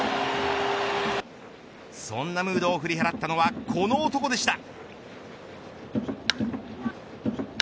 そんなムードを振り払ったのはこの男でした。